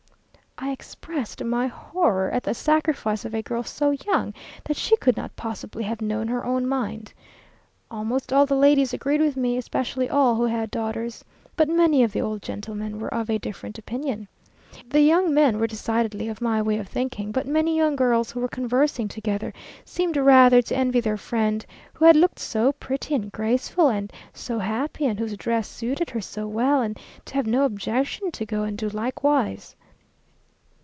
I expressed my horror at the sacrifice of a girl so young, that she could not possibly have known her own mind. Almost all the ladies agreed with me, especially all who had daughters, but many of the old gentlemen were of a different opinion. The young men were decidedly of my way of thinking; but many young girls, who were conversing together, seemed rather to envy their friend, who had looked so pretty and graceful, and "so happy," and whose dress "suited her so well," and to have no objection to "go, and do likewise."